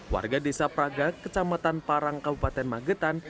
warga desa praga kecamatan parang kabupaten magetan